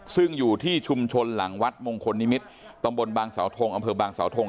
ซึ่งอยู่ที่ชุมชนหลังวัดมงคลนิมิตรตำบลบางสาวทงอำเภอบางสาวทง